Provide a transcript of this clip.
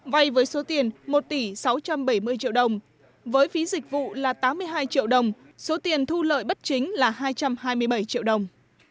vay với số tiền một tỷ sáu trăm bảy mươi triệu đồng với phí dịch vụ là tám mươi hai triệu đồng số tiền thu lợi bất chính là hai trăm hai mươi bảy triệu đồng